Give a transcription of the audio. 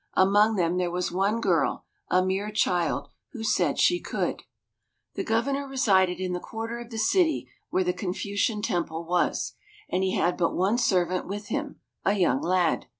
Among them there was one girl, a mere child, who said she could. The Governor resided in the quarter of the city where the Confucian Temple was, and he had but one servant with him, a young lad.